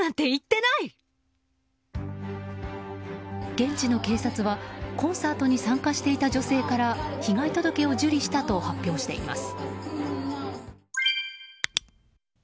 現地の警察はコンサートに参加していた女性から被害届を受理したと発表しています。